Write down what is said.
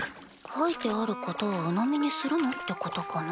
書いてあることをうのみにするなってことかな？